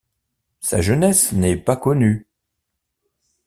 Sa jeunesse n'est pas connue.